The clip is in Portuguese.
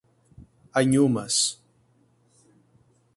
Anhumas